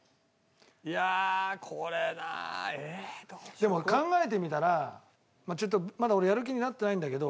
でも考えてみたらちょっとまだ俺やる気になってないんだけど。